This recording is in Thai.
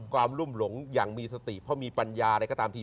รุ่มหลงอย่างมีสติเพราะมีปัญญาอะไรก็ตามที